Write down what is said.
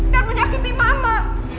dan menyakiti mama